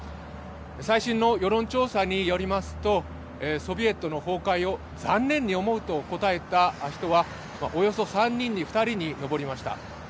最新の世論調査によりますとソビエトの崩壊を残念に思うと答えた人はおよそ３人に２人に上りました。